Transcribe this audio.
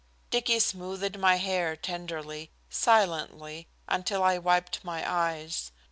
Dicky smoothed my hair tenderly, silently, until I wiped my eyes.